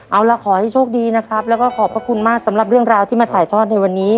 เอาล่ะขอให้โชคดีนะครับแล้วก็ขอบพระคุณมากสำหรับเรื่องราวที่มาถ่ายทอดในวันนี้